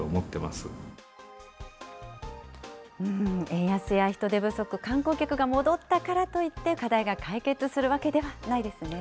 円安や人手不足、観光客が戻ったからといって、課題が解決するわけではないですね。